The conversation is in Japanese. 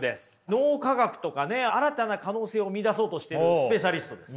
脳科学とかね新たな可能性を見いだそうとしてるスペシャリストです。